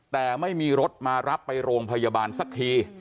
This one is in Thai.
แต่ไม่มีรถมารับไปโรงพยาบาลสักที